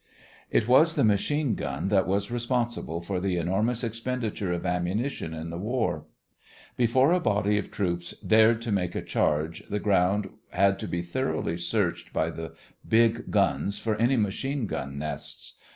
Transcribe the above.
It was the machine gun that was responsible for the enormous expenditure of ammunition in the war. Before a body of troops dared to make a charge, the ground had to be thoroughly searched by the big guns for any machine gun nests.